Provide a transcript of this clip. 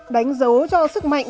đánh dấu cho sức mạnh